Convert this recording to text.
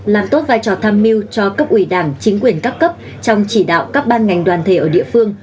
làm tốt vai trò tham mưu cho cấp ủy đảng chính quyền các cấp trong chỉ đạo các ban ngành đoàn thể ở địa phương